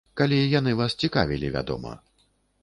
Калі яны вас цікавілі, вядома.